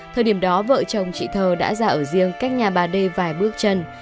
thời điểm đó vợ chồng chị thơ đã ra ở riêng cách nhà bà đê vài bước chân